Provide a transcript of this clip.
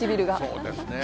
そうですね。